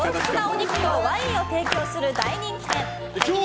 肉とワインを提供する大人気店焼肉